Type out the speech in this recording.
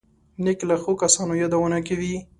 نیکه له ښو کسانو یادونه کوي.